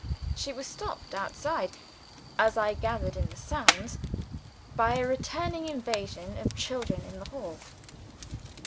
She was stopped outside (as I gathered from the sounds) by a returning invasion of children in the hall.